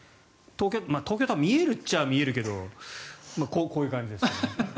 東京タワー見えるっちゃ見えるけどこういう感じですよね。